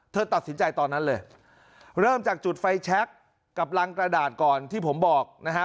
เธอตัดสินใจตอนนั้นเลยเริ่มจากจุดไฟแชคกับรังกระดาษก่อนที่ผมบอกนะฮะ